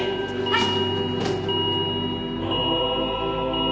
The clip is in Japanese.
はい！